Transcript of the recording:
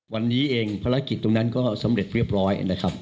วันนี้เองภารกิจตรงนั้นก็สำเร็จเรียบร้อยนะครับ